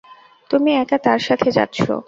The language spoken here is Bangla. তুমি একা তার সাথে যাচ্ছ?